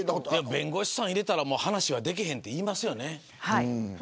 弁護士さんを入れたら話はできないといいますよね。